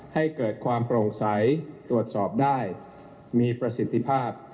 ให้เกิดความโปร่งใสตรวจสอบได้มีประสิทธิภาพ